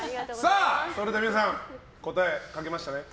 それでは皆さん答え書けましたね。